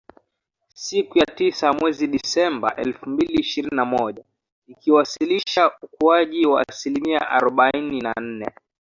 siku ya tisa mwezi Disemba elfu mbili ishirini na moja, ikiwasilisha ukuaji wa asilimia arobaini na nne